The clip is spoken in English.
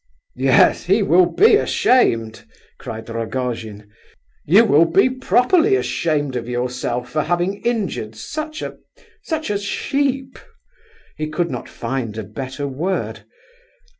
"Yes, he will be ashamed!" cried Rogojin. "You will be properly ashamed of yourself for having injured such a—such a sheep" (he could not find a better word).